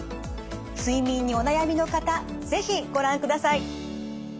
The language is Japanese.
睡眠にお悩みの方是非ご覧ください。